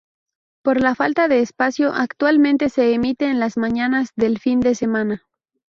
Por falta de espacio actualmente se emite en las mañanas del fin de semana.